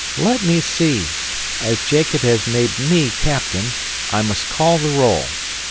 "Let me see. As Jacob has made me captain, I must call the roll.